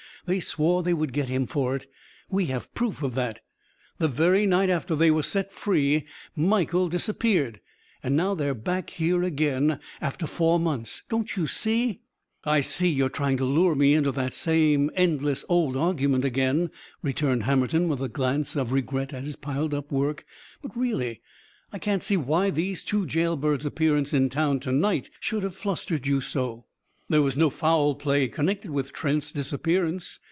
"They swore they would get him for it. We have proof of that. The very night after they were set free Michael disappeared. And now they are back here again, after four months! Don't you see " "I see you are trying to lure me into that same endless old argument again," returned Hammerton with a glance of regret at his piled up work. "But really, I can't see why these two jailbirds' appearance in town to night should have flustered you so. There was no foul play connected with Trent's disappearance.